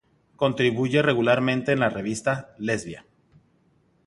Contribuye regularmente en la revista "Lesbia".